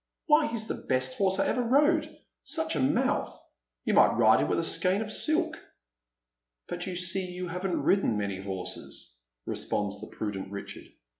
" Why, he's the best horse I ever rode. Such a mouth ! You might ride him vfiih. a skein of silk." " But you see you haven't ridden many horses," responds the prudent Richard.